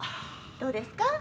どうですか？